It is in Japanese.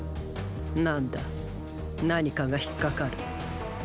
何だ何かが引っかかる。